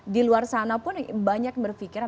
di luar sana pun banyak berpikir